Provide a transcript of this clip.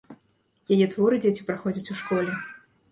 Яе творы дзеці праходзяць у школе.